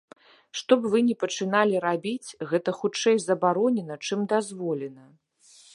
Што б вы ні пачыналі рабіць, гэта хутчэй забаронена, чым дазволена.